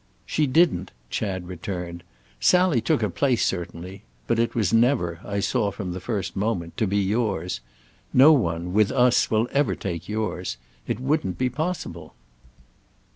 "She didn't," Chad returned. "Sally took a place, certainly; but it was never, I saw from the first moment, to be yours. No one—with us—will ever take yours. It wouldn't be possible."